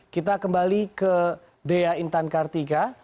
kita kembali ke dea intan kartika